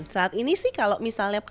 saat ini sih kalau misalnya